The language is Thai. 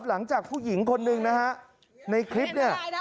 หลังจากผู้หญิงคนหนึ่งนะฮะในคลิปเนี่ย